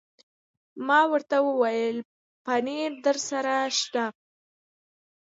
ما ورته وویل: پنیر درسره شته؟